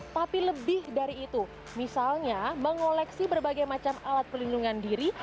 tapi lebih dari itu misalnya mengoleksi berbagai macam alat pelindungan diri